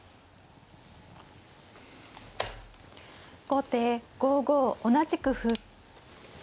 後手５五同じく歩。